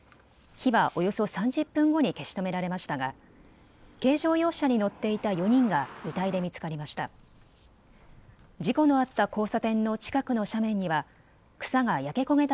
火はおよそ３０分後に消し止められましたが軽乗用車に乗っていた４人が遺体で見つかりました。